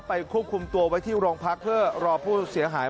ควบคุมตัวไว้ที่โรงพักเพื่อรอผู้เสียหาย